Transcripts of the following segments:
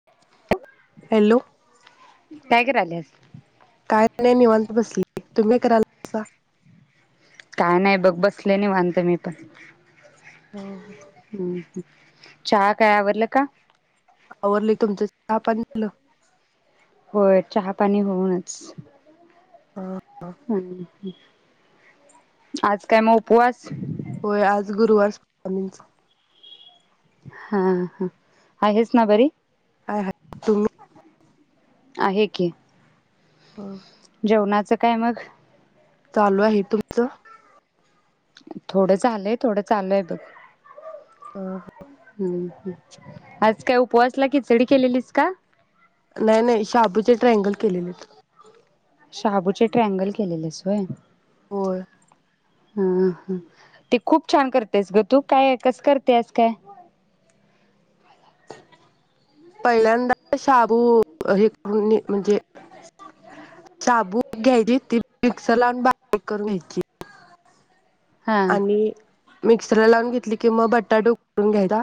[unintelligible] - Hello काय करायलीस काय नाही, निवांत बसली. तुम्ही करालं कायं नाही, बघ- बसले निवात मी पणं. - हो. [unintelligible] - चहा काय? आवरल का? आवरलयं तुमचं चहा -पाणी झालं. होयं, चहा पाणीं होऊनचं ह आज काय? मगं उपवासं होयं आजं गुरुवारच् हां- ह्ं आहेसच नां बरी हायं- हांय तुम्ही आहें कीं हों जेवणाचं काय मग? चालू आहे, तुमचं? थोडं झालंय, थोडं चालू आहे बघ हा हं.. आज काय उपवासला खिचडी केलेलीस का? नाही.. नाही, शाबूचे ट्रायंगल केलेलेत शाबूचे ट्रॅंगल केलेलेस होय होय. ह.. हा, ते खूप छान करतेस गं तू काय कसं करतेस काय? पहिल्यांदा शाबू हे करून म्हणजे शाबू घ्यायचे मिक्सर लावून बारीक करून घ्यायची हा आणि मिक्सर ला लावून घेतली कि मग बटाटा उकडून घ्यायचा,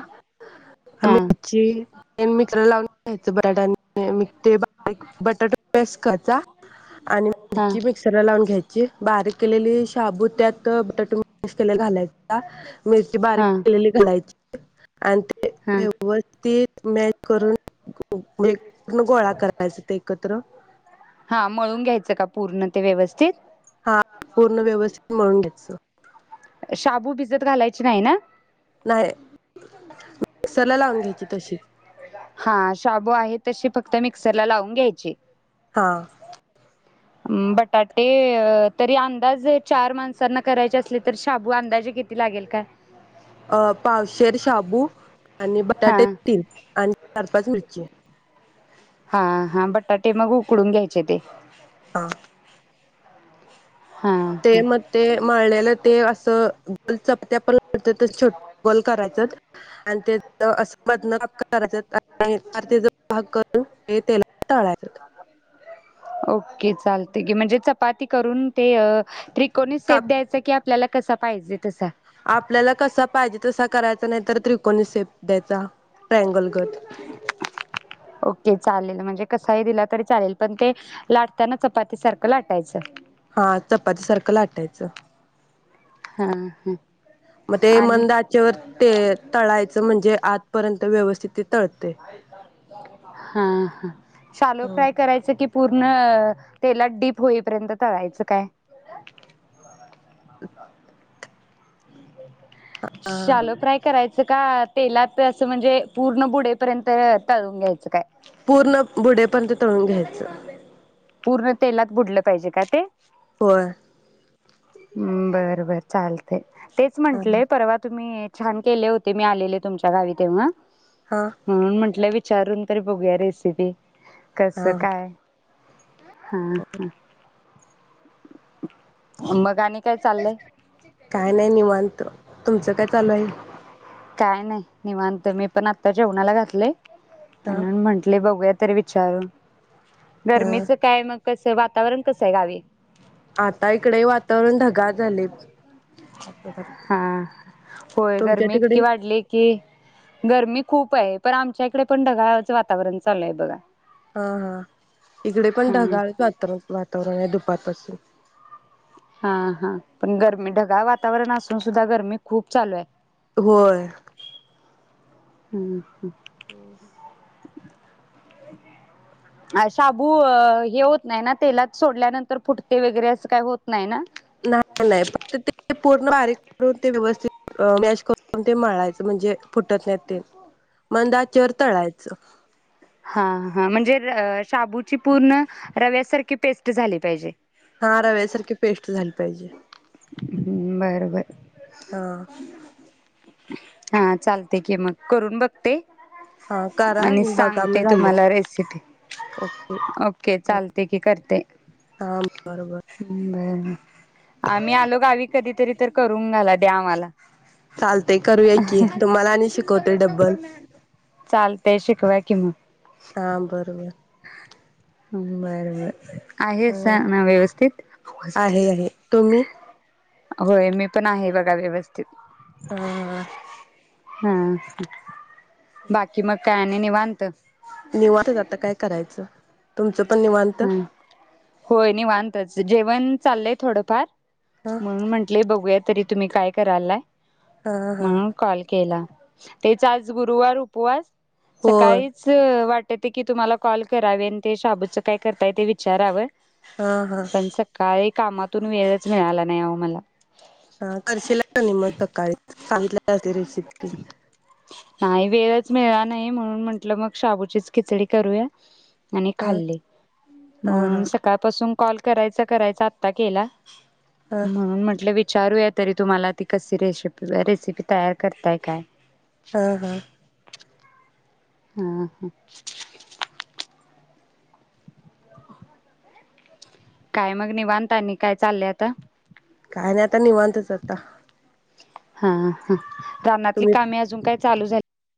हा मिरची मिक्सर ला लावून घ्यायचं, बटाटा आणि ते बारीक बटाटा पिस करायचा आणि हा मिरची मिक्सर ला लावून घ्यायची, बारीक केलेली शाबू त्यात बटाटे मिक्स केलेला घालायचा मिरची बारीक हा केलेली घालायची आणि ते हा. व्यवस्थित मॅश करून पूर्ण गोळा करायचा ते एकत्र हा, मळून घ्यायचं का पूर्ण ते व्यवस्थित? हा पूर्ण व्यवस्थित म्हळून घ्यायचं. शाबू भिजत घालायची नाही ना? नाही, मिक्सरला लावून घ्यायची तशीच हा, शाबू आहे तशी फक्त मिक्सर ला लावून घ्यायची. हा बटाटे तरी अंदाजे चार माणसांना करायचे असले तर शाबू अंदाजे किती? लागेल काय अ पावशेर शाबू आणि हा बटाटे तीन आणि चार -पाच मिरची हा.. हा. बटाटे मग उकडून घ्यायचे ते हा हा ते ह मंद ते मळलेलं ते असं गोलं चपट्यां पणं त्यांचे छोटे गोलं करायचं. आणि ते असं मधनं करायचं भांग करूंन हे तेलां तळायचं. ओके, चालते म्हणजे चपाती करूंन ते त्री कोणी सेफ काप द्यांयचा की, आपल्यांला कसां पाहिजे तसां? आपल्यांला कसां पाहिजे तसां करायचां, नाहीं तरं त्रिकोणी सेपं द्यायचां. ट्रॅंग लगतं. ओके, चालेल म्हणजे कसंही दिलां तरी चालेल, पणं ते लाटतांना चपांती सारखं लाटायचं. हां चपांती सारखं लाटायचं. हां.. हां. मंग ते मंद आचेवर ते तळायचं, म्हणजे आंतपर्यंत व्यवस्थित ते तळते. हां.. हां. शालो फ्रायं हा करायचं की, पूर्ण तेलांत डीप होईपर्यंत तळायचं कायं? हं. [unintelligible] [unintelligible] शालो फ्रायं करायचं कां, तेलांत असं म्हणजे पूर्ण बुडेपर्यंत तळूंन घ्यायचं कायं? पूर्ण बुडे पर्यतं तळूंन घ्यायचं. पूर्ण तेलांत बुडलं पाहिजे कां ते? होयं. हम्मं बरं बरं चालते तेचं हा म्हंटलेय पर्वा तुम्हीं छांन केले होते मी आलेले तुमच्यां गांवी तेव्हां. हां. म्हणूंन म्हटलं विचारूंन तरी बघूंया रेसिपी कसं हा कायं. हां मंग आणि कायं चाललंय? कायं नाहीं निवांत तुमचं कायं चालूं आहे? कायं नाहीं निवांत मी पणं आंता जेवणांला घातले आहे. हा म्हणूंन म्हंटले बघूंया तरी विचारूंन. हा गरमीचं कायं मगं कसं वातांवरण कसं आहे गांवी? आंता ईकडे वातांवरण ढगांळ झाले आहे तंं. हां होयं गर्मी तिकडे इतकी वाढली. कि गर्मी खूंप आहे पणं आमच्यां ईकडे पणं ढगांळचं वातांवरण चालूं आहे बघां. हां हां ईकडे पणं हा ढगांळचं वातांवरण आहे दुपारंपासून. हां हां पणं गर्मी ढगांळ वातांवरण असलं तरी सुद्धां गर्मी खूंप चालूं आहे. होयं. हम्मं हम्मं. हम्मं अं शबूं हे होतं. नाहीं नां तेलांत सोडल्यांनंतर फुटते वगैरें असं कांहीं होतं नाहीं नां. नाहीं नाहीं फक्तं ते पूर्ण बारीक करूंन ते व्यवस्थित. मॅश करूंन ते मळायचं म्हणजे फुटतं नाहीं ते मंदा आचेवर तळायचं. हां हां म्हणजे शाबूंची पूर्ण रव्यांसारखी पेस्टं झालीं पाहिजे. हां रव्यांसारखी पेस्टं झाली पाहिजे. हम्मं बरं बरं. हां. हा चालते की मग, करून बघ ते हा करा आणि बघा मग सांगते झाले तुम्हाला रेसिपी. ओके ओके चालते की करते. हा बरोबर बर, आम्ही आलो गावी कधीतरी तरी त करून घाला द्या आम्हाला. चालते करूया की, तुम्हाला आणि शिकवते डब्बल. चालतेय शिकवा कि मग. हां बर बर. बर बर, आहे सा हा ना व्यवस्थित. आहे आहे तुम्ही होय. मी पण आहे बघा व्यवस्थित. हा हा. हा बाकी मग काय नी निवांत. निवांत आता काय करायचं? तुमचं पण निवांत. हा होय निवांतच. जेवण चाललंय थोडंफार. ह, म्हणून म्हंटले बघूया तरी तुम्ही काय करालाय. हा हा म्हणून कॉल केला. तेयचा आज गुरुवार उपवास होय सकाळी च वाटते की तुम्हाला कॉल करावे आणि ते शाबूचं काय करताय ते विचारावं? हा हा पण सकाळी कामातून वेळच मिळाला नाही हो मला. हा करशीला का नाही मग तकाळीत सांगितल्या वगैरे रेसिपी. [inaudible] नाही वेळच मिळाला नाही म्हणून म्हंटलं मग शाबूचीच खिचडी करूया. आणि हा खाल्ली हा मग हा सक सकाळपासून कॉल करायचा करायचा आता केला. हा म्हणून म्हटलं वि विचारूया तरी तुम्हाला ती कशी रेशिपी रेसिपी तयार करताय काय? ह ह, हा ह, काय मग निवांत आणि काय चाललंय आता? काय नाही आता निवांतच आता. हा हा, रानातली तुम्ही कामे अजून काय चालू झाली.